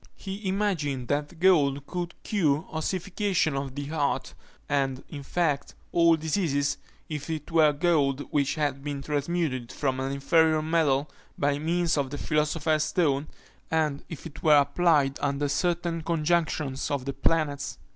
He imagined that gold could cure ossification of the heart, and, in fact, all diseases, if it were gold which had been transmuted from an inferior metal by means of the philosopher's stone, and if it were applied under certain conjunctions of the planets.